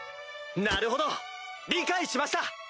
なるほど理解しました！